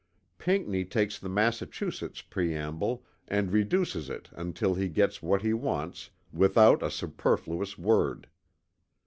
Pinckney takes the Massachusetts preamble and reduces it until he gets what he wants without a superfluous word.